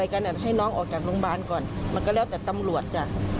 แกนะให้น้องออกจากโรงบารก่อนมันก็เล่าแต่ตำรวจจะ